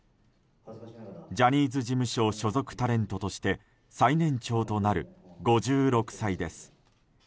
ジャニーズ事務所所属タレントとして最年長となる５６歳です。